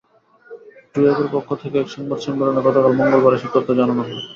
টোয়েবের পক্ষ থেকে এক সংবাদ সম্মেলনে গতকাল মঙ্গলবার এসব তথ্য জানানো হয়।